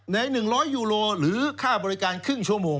ใน๑๐๐ยูโรหรือค่าบริการครึ่งชั่วโมง